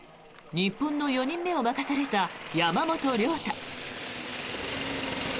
日本の４人目を任された山本涼太。